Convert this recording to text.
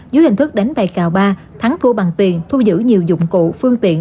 dưới hình thức đánh bày cào ba thắng thua bằng tiền thu giữ nhiều dụng cụ phương tiện